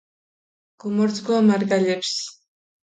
გუმორძგუა მარგალებს